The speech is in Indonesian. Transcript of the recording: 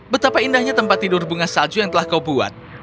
betapa indahnya tempat tidur bunga salju yang telah kau buat